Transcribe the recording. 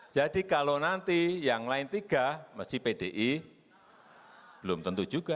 jadi kalau nanti yang lain tiga masih pdi belum tentu juga